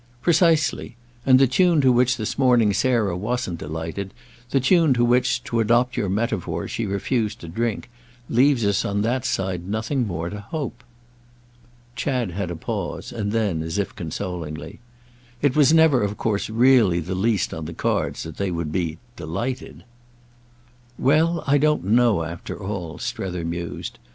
"Precisely. And the tune to which this morning Sarah wasn't delighted—the tune to which, to adopt your metaphor, she refused to drink—leaves us on that side nothing more to hope." Chad had a pause, and then as if consolingly: "It was never of course really the least on the cards that they would be 'delighted.'" "Well, I don't know, after all," Strether mused.